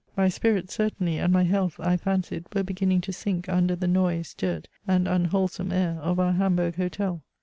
My spirits certainly, and my health I fancied, were beginning to sink under the noise, dirt, and unwholesome air of our Hamburg hotel.